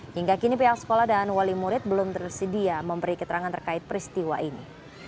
hingga kini pihak sekolah dan wali murid belum tersedia memberi keterangan terkait peristiwa ini